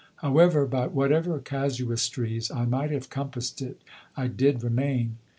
However by whatever casuistries I might have compassed it I did remain.